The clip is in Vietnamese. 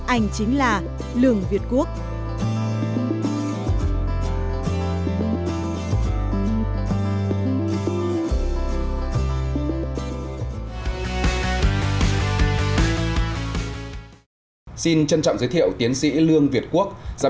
anh chính là lương việt quốc